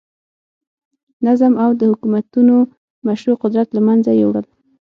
نظم او د حکومتونو مشروع قدرت له منځه یووړل.